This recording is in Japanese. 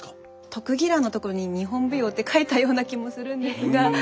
特技欄のとこに「日本舞踊」って書いたような気もするんですが。